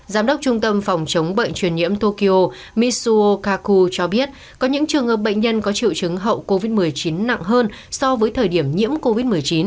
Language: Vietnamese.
giám đốc trung tâm phòng chống bệnh truyền nhiễm tokyo mitsuo kaku cho biết có những trường hợp bệnh nhân có triệu chứng hậu covid một mươi chín nặng hơn so với thời điểm nhiễm covid một mươi chín